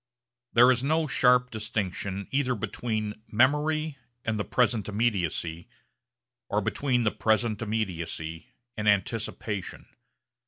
There is no sharp distinction either between memory and the present immediacy or between the present immediacy and anticipation.